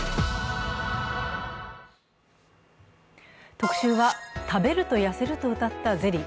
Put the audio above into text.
特集は食べると痩せるとうたったゼリー。